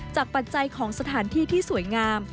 ปัจจัยของสถานที่ที่สวยงาม